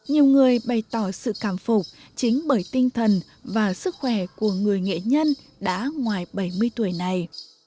nhiều người bày tỏ sự cảm phục chính bởi tinh thần và sức khỏe của người nghệ nhân đã ngoài bảy mươi tuổi này